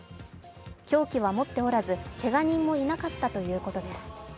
凶器は持っておらず、けが人もいなかったということです。